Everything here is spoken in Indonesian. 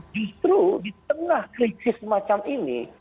justru di tengah krisis semacam ini